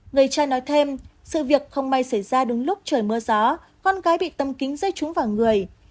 người trai nói thêm sự việc không may xảy ra đúng lúc trời mưa gió con cái bị tâm kính rơi trúng vào người